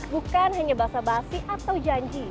bukan hanya basa basi atau janji